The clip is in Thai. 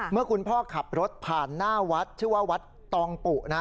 เมื่อคุณพ่อขับรถผ่านหน้าวัดชื่อว่าวัดตองปุนะ